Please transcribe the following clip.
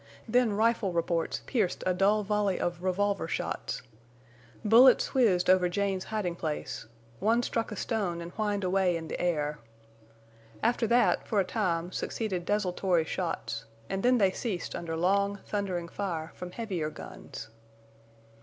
Then rifle reports pierced a dull volley of revolver shots. Bullets whizzed over Jane's hiding place; one struck a stone and whined away in the air. After that, for a time, succeeded desultory shots; and then they ceased under long, thundering fire from heavier guns.